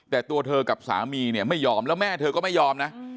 แต่ตัวเธอกับสามีเนี่ยไม่ยอมแล้วแม่เธอก็ไม่ยอมนะ